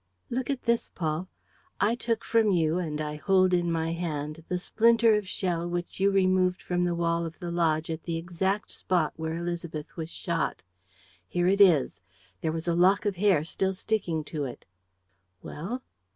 Look at this, Paul. I took from you and I hold in my hand the splinter of shell which you removed from the wall of the lodge at the exact spot where Élisabeth was shot. Here it is. There was a lock of hair still sticking to it." "Well?"